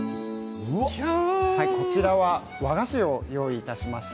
こちらは和菓子を用意しました。